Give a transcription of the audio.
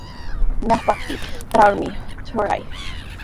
Ñawpaykitrawmi truray.